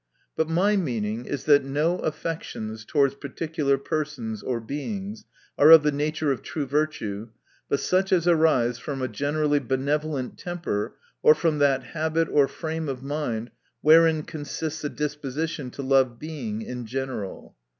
But my meaning is, that oo affections towards particular persons or Beings are of the nature of true virtue, out such as arise from a generally benevolent temper, or from that habit or frame of mind, wherein consists a disposition to love Being in general.